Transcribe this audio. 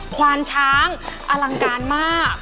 ควานช้างอลังการมาก